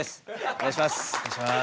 お願いします。